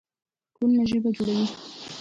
ټولنه ژبه جوړوي.